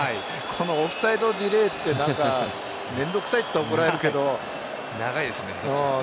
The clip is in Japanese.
このオフサイドディレイは面倒くさいと言ったら怒られるけど長いですね。